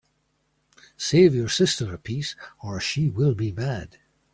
Save you sister a piece, or she will be mad.